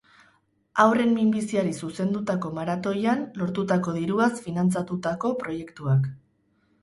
Haurren minbiziari zuzendutako maratoian lortutako diruaz finantzatutako proiektuak.